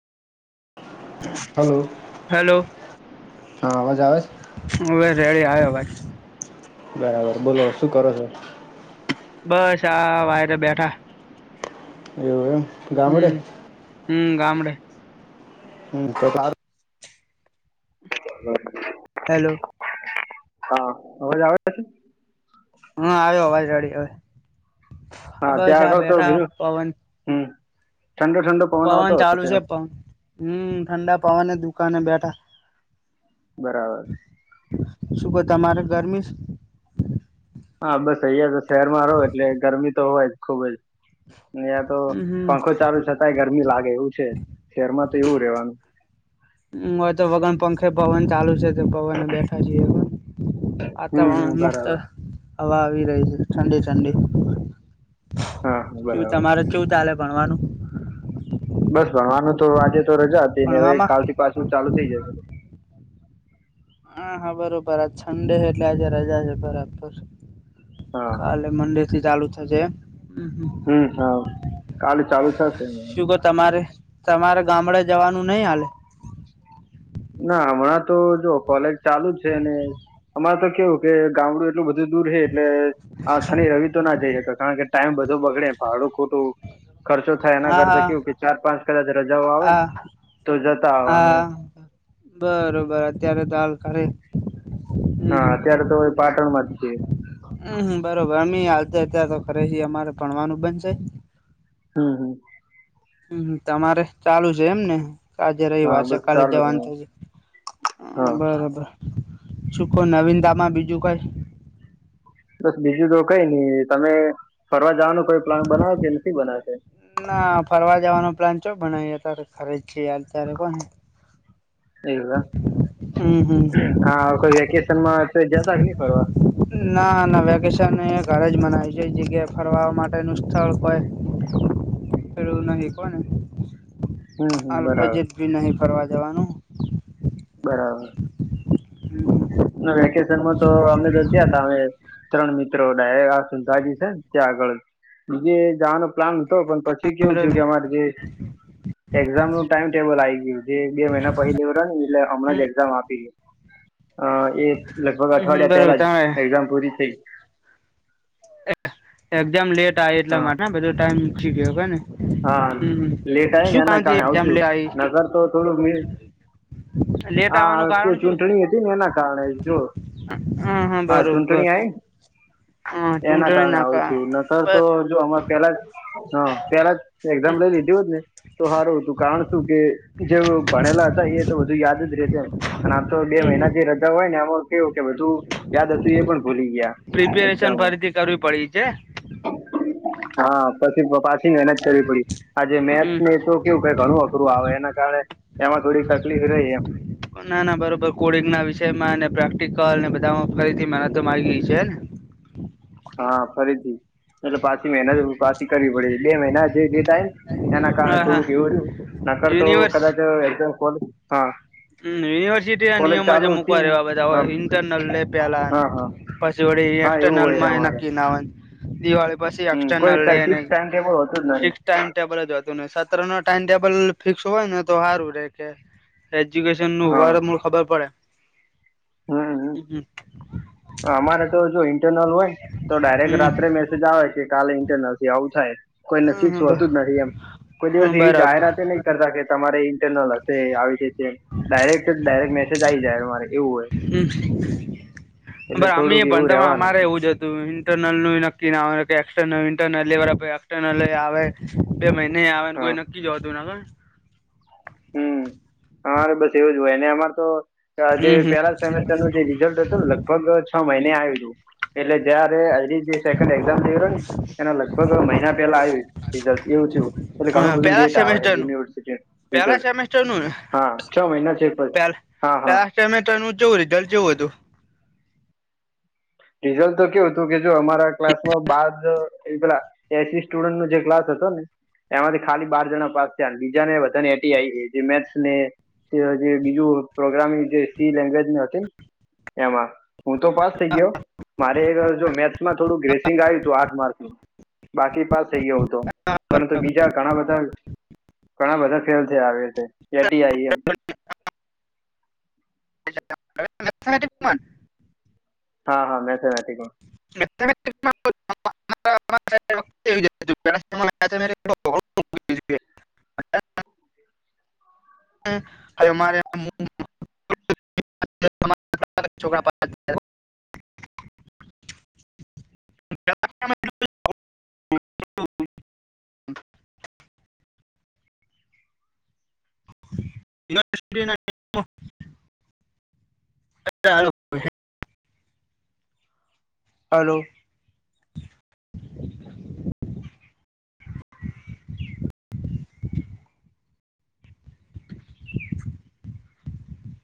Hello hello હા અવાજ આવે. હુંવે રેડી આવ્યો ભાઈ બરાબર બોલો શું કરો છો? બસ આા વાયરે બેઠા [inaudible] હમ્મ હમ્મ ગામડે હમ્મ તો [inaudible] હેલો. હા અવાજ આવે છે? હા આવ્યો અવાજ અડી હવે બસ આ બેઠા પવન હમ્મ ઠંડા ઠંડ. પવન ચાલુ છે પવન હમ્મ ઠંડા પવન દુકાને બેઠા બરાબર. શું કે તમારે ગરમી હા બસ અહીયા તો શહેરમાં રહો એટલે ગરમી તો હોય જ ખુબ જ ત્યાં તો હમ પંખો ચાલુ છતાય ગરમી લાગે એવું છે શેરમાં તો એવું રેવાનું. હ હવે તો વગન પંખે પવન ચાલુ છે તો પવન બેઠા જઈએ પણ હમ હમ વાતાવરણ મસ્ત બરાબર હવા આવી રહી છે ઠંડી ઠંડી હા હા કું બરાબર તમારે કું ચાલે ભણવાનું? બસ ભણવાનું તો આજે તો રજા હતી ને હવે ભણવામાં કાલથી પાછું ચાલુ થઈ જશે. હા હા બરોબર આ ઠંડે છે એટલે આજે રજા છે બરાબર હા હા કાલે મંડે થી ચાલુ થશે. હમ હમ કાલે ચાલુ થશે શુગર તમારે તમારે ગામડે જવાનું નહીિ હાલે ના હમણાં તો જો કોલેજ ચાલુ જ છે ને અમારે તો કેવું કે ગામડું એટલુંધું દૂર હ એટલે આસાની રવિ તો ના જઈ શકે કારણ કે ટાઈમ બધું બગડે ભાડું ખોટું ખર્ચો થાય એના હા કરતા હા કેવું કે ચાર પાંચ કદાચ રજાઓ આવે હા ને તો જતા આવવાનું હા એમ બરોબર અત્યારે દાલ કરે હમ હા અત્યારે તો એ પાટણમાં જ છીએ હમ હમ બરોબર અમ આવાલતા અતં તો ખરે છે અમારે ભણવાનું બનશે હમ હમ હમ તમારે ચાલુ છે એમ ને આજે હા રવિવાર છે બસ કાલે ચાલુ છે જવાનું તો જ હા બરોબર શ કો નવીનતાા માં બીજું કઈ બસ બીજું તો કઈ નઈ તમે ફરવા જવાનું કોઈ પ્લાન બનાવ કે નથી બનાવેશે મ ફરવા જવાનો પ્લાન ચો ભને અત્યારે ખરી છે અ ત્યારે કોને એધા હમ હમ હા કોઈ વેકેશનમાં તો જદા નહી ફરવા ના વેકેશન ઘરે જ મનાવ્યું છે જગ્યા ફરવા માટેનું સ્થળ કોઈ એું નહી કોને હમ હમ બરાબર બજેટ ભી નહીિ ફરવા દેવાનું બરાબર વેકેશન માં તો અમે તો થયા હતા અમે ત્રણ મિત્રો ડાય આ સુધાજી છે ને ત્યાં આગળ બીજે જાનો પ્લાન હતો પણ પછી કેવું થયું બરોબર કે અમારે જે એક્ઝામ નું ટાઈમ ટેબલ આવી ગયું જે બે મહિના પહેલે એું એટલે હમણા જ એક્ઝામ આપી ગય અ એ લગભગ હમ હમ અઠવાડિયા બરોબર પેલા જ તમે એક્ઝામ પૂરી થઈ એક્ઝામ લેટ આ એટલા હા માટે ને બધો ટાઈમ મી ગયો ક ને હા હમ લેટ આવે ને શું એના કામથી કારણે એક્ઝામ આવજું લે આવી નગર તો થોડુંક લેટ હા આવવાનું તો કારણ શું ચૂંટણી હતી ને એના કારણે જો હા હા ચૂંટણી બરોબબર આઈ એના કારણે આવું છ નતર તો જો અ પેલા જ હ પેલા જ એક્ઝામ હમ લઈ લીધી હો જ ને તો સારું હતું કારણ શું કે જે ભણેલા હતા એ તો વધુ યાદ જ રતે અને આ તો બે મહિના હમ જે રદા હોય ને એમાં કેવું કે બધું યાદ હતું એ પણ ભૂલી ગયા પ્રિપેરેશન એક્ઝામ ફરીથી કરવી પડી છે હા પછી પાછીને કરવી પડી આજે મેથ હમ ને તો કેવું કે ઘણું અઘરું આવે એના કારણે એમાં થોડી તકલીફ રહી એમ ના ના બરોબર કોડિંગ ના વિષય માં ને પ્રેક્ટિકલ ને બધામાં ફરીથી મ તો મામાંગી છેને હા ફરીથી એટલે પાછી મહેનત પાછી કરવી પડે બે મહિના જે ડેટાય ને એના કારણે હા હા થોડુંક એવું રહ્યું નકરતો યુનિવર્સ કદાચ એ હા મ યુનિવર્સિટી ના કોલેજ નિયમો જ ચાલુ મ હતી મુકવા ર ને એવા બધા હા ઇન્ટરનલ લે પેલા હા હા પછી વળી હા એવું એક્સટર્નલ હોય છે માં એ અમારે નક્કી ના આવે દિવાળી પાછી હમ એા ના કોઈ લે અને ફિક્સ ટાઈમ ટેબલ હોતું જ નથી ટાઈમ ટેબલ જ હતું ને સત્ર નો ટાઈમ ટેબલ ફિક્સ હોય ને તો સારું રે કે એજ્યુકેશન નું હા વાર મ ખબર હમ પડે અમારે તો જો ઈન્ટરનલ હોયને તો ડાયરેક્ટ હમ રાત્રે મેસેજ આવે કે કાલે ઇન્ટરનલ થી આવું થાય કોઈને ફિક્સ હમ હોતું જ નથી એમ કોઈ હમ દિવસ એવી બરાબર જાહેરાત નહી કરતા કે તમારે ઇન્ટરનલ હશે આવી છે ડાયરેક્ટ ડાયરેક્ટ મેસેજ આ આવી જાય મારે એવું હોય હમ એટલે અમે થોડુંક એવું ભણતામાં રેવાનું અમારે એવું જ હતું નલ નું નક્કી આવે એક્ર્નલ ઇન્ટરનલ લેવા એર્નલ આવે બે મહિને આવે હા કોઈકી કી જવા તું ના હમ અમારે બસ એવું જ હોય ને અમાર તો જે હમ હમ પેલા સેમેસ્ટર નું જે રિઝલ્ટ હતું લગભગ છ મહિને આવ્યું હતું એટલે જયારે એની જે સેકન્ડ એક્ઝામ લઈ રહ્યો ને એના લગભગ મહિના પેલા આયુ રિઝલ્ટ એવું થયું એટલે ઘણું હા બધું પેલા લેટ આવે સેમેસ્ટર નું યુનિવર્સિટી પેલા રિઝલ્ટ સેમેસ્ટર નુંને હા છ મહિના છે પછી હા હા [unintelligible] સેમેસ્ટર નું ચેવું રીજલ ચેવું હતું રિઝલ તો કેવું હતું કે જો અમારા ક્લાસમાં બાદ એ પેલા એસી સ્ટુડન્ટ નો જે ક્લાસ હતો ને એમાંથી ખાલી બાર જણા પાસ થયા બીજા ને બધાને એટી આ જે મેસ ને તે જે બીજું પ્રોગ્રામિગ જે સી લેંગવેજ ન હતી ને એમાં હું તો પાસ થઇ ગયો મારે જો મેથસમાં થોડું ગ્રેસિંગ આવ્યું હતું આઠ માર્કનું બાકી પાસ થઈ ગયો તો પરંતુ બીજા ઘણા બધા ઘણા બધા ફેલ થયા આવી રીતે એટી આઈ એમ [unintelligible] [unintelligible] હા હા મેથેમેટિકમાં [inaudible] [inaudible] [inaudible] [inaudible] [inaudible] [inaudible] હલો [inaudible]